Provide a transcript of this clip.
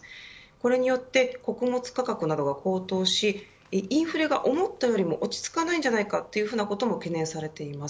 これによって穀物価格などが高騰しインフレが思ったよりも落ち着かないんじゃないかということも懸念されています。